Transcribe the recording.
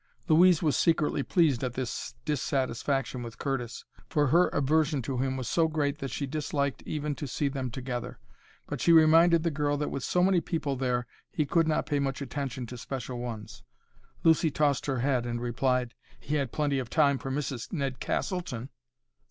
Louise was secretly pleased at this dissatisfaction with Curtis, for her aversion to him was so great that she disliked even to see them together. But she reminded the girl that with so many people there he could not pay much attention to special ones. Lucy tossed her head and replied, "He had plenty of time for Mrs. Ned Castleton."